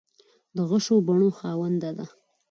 د غشو بڼو خاونده ده